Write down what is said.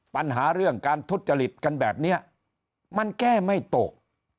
ปัญหาเรื่องการทุจริตกันแบบนี้มันแก้ไม่ตก